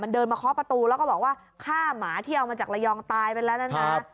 เดินมาเคาะประตูแล้วก็บอกว่าฆ่าหมาที่เอามาจากระยองตายไปแล้วนะ